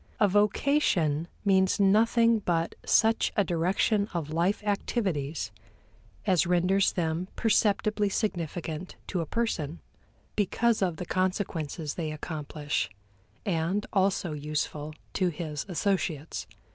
A vocation means nothing but such a direction of life activities as renders them perceptibly significant to a person, because of the consequences they accomplish, and also useful to his associates.